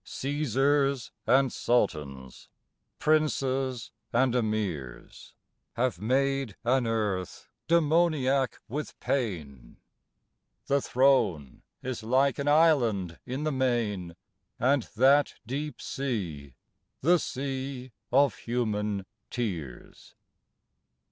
Caesars and sultans, princes and emirs Have made an earth demoniac with pain. The throne is like an island in the main, And that deep sea the sea of human tears.